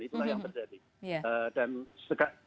itulah yang terjadi